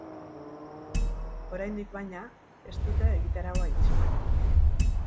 Oraindik, baina, ez dute egitaraua itxi.